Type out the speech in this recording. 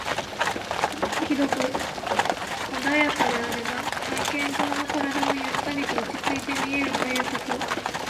心が広く穏やかであれば、外見上の体もゆったりと落ち着いて見えるということ。